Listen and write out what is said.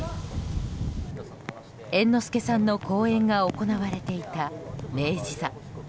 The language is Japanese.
猿之助さんの公演が行われていた明治座。